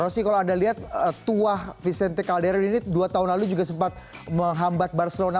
rosy kalau anda lihat tuah vicente caldern ini dua tahun lalu juga sempat menghambat barcelona